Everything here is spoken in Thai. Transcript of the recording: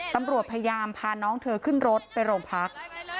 ตำรวจพยายามพาน้องเธอขึ้นรถไปโรงพัก